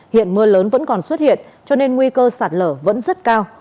hiện mưa lớn vẫn còn xuất hiện cho nên nguy cơ sạt lở vẫn rất cao